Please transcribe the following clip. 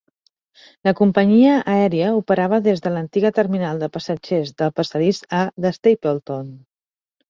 La companyia aèria operava des de l'antiga terminal de passatgers del passadís A de Stapleton.